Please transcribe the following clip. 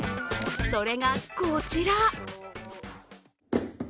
それが、こちら。